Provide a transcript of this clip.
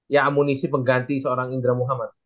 ya amunisi pengganti seorang indra muhammad